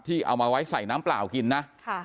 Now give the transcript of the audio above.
เอามาไว้ใส่น้ำเปล่ากินนะ